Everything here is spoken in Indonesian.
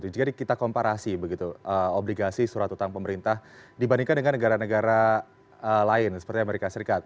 jadi kita komparasi begitu obligasi surat utang pemerintah dibandingkan dengan negara negara lain seperti amerika serikat